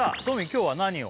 今日は何を？